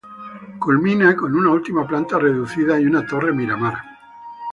Culmina con una última planta reducida y una torre miramar.